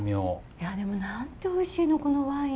いやでもなんておいしいのこのワイン。